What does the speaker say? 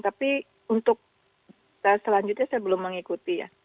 tapi untuk selanjutnya saya belum mengikuti ya